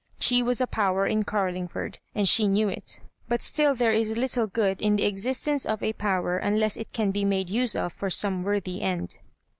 She was a Power in Oarlingford, and she kuew it ; but still there is little good in the existence of a Power unless it can he made use of for some worthy end.